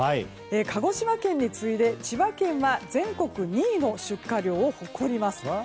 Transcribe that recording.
鹿児島県に次いで千葉県は全国２位の出荷量を誇ります。